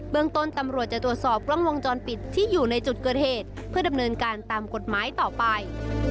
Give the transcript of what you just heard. เมืองต้นตำรวจจะตรวจสอบกล้องวงจรปิดที่อยู่ในจุดเกิดเหตุเพื่อดำเนินการตามกฎหมายต่อไป